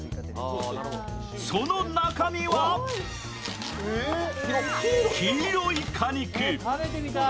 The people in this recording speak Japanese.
その中身は黄色い果肉。